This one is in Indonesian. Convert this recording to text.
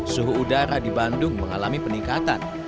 suhu udara di bandung mengalami peningkatan